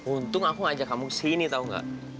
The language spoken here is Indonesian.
untung aku ngajak kamu ke sini tau gak